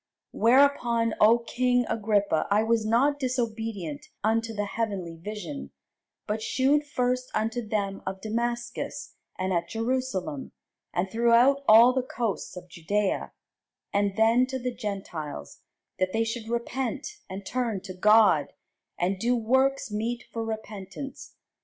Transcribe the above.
Whereupon, O king Agrippa, I was not disobedient unto the heavenly vision: but shewed first unto them of Damascus, and at Jerusalem, and throughout all the coasts of Judæa, and then to the Gentiles, that they should repent and turn to God, and do works meet for repentance.